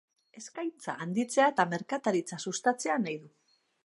Eskaintza handitzea eta merkataritza sustatzea nahi du.